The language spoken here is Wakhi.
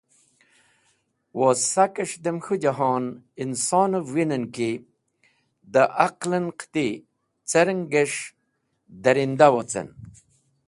Woz sakes̃h dem k̃hũ jahon insonev winen ki dẽ aql en qiti, cerenges̃h darinda wocen.